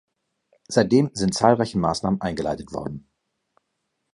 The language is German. Seitdem sind zahlreiche Maßnahmen eingeleitet worden.